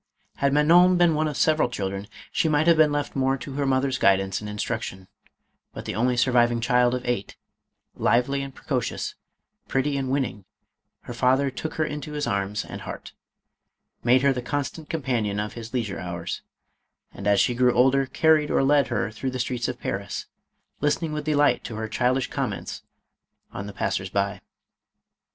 Had Manon been one of several children, she might have been left more to her mother's guidance and instruction, but the only surviving child of eight, lively and precocious, pretty and winning, her father took her into his arms and MADAME ROLAND. 475 heart, made her the constant companion of his leisure hours, and as she grew older, carried or led her through the streets of Paris, listening with delight to her child ish comments on the passers by.